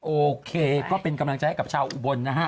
โอเคก็เป็นกำลังใจให้กับชาวอุบลนะฮะ